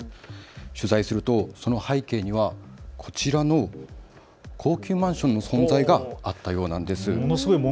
取材するとその背景にはこちらの高級マンションの存在があったようなんです。